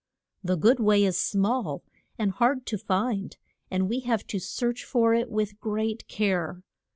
The good way is small and hard to find, and we have to search for it with great care.